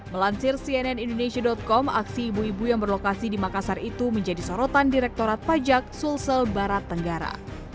melansir cnn indonesia com aksi ibu ibu yang berlokasi di makassar itu menjadi sorotan direktorat pajak sulsel barat tenggara